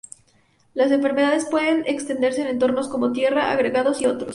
Las enfermedades pueden extenderse en entornos como tierra, agregados y otros.